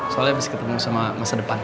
soalnya bisa ketemu sama masa depan